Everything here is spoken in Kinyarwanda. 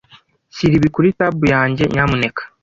Shyira ibi kuri tab yanjye, nyamuneka.